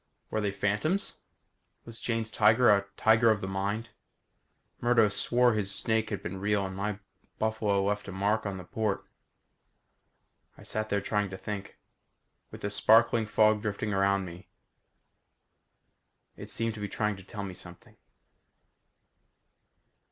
Were they phantoms? Was Jane's tiger a tiger of the mind? Murdo swore his snake had been real and my buffalo left a mark on the port. I sat there trying to think. With the sparkling fog drifting around me. It seemed to be trying to tell me something.